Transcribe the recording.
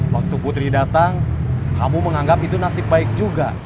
waktu putri datang kamu menganggap itu nasib baik juga